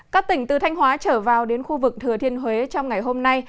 các tỉnh từ thanh hóa trở vào đến khu vực thừa thiên huế trong ngày hôm nay